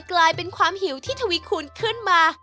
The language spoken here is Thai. กลายเป็นความหิวที่ทวีคูณขึ้นมา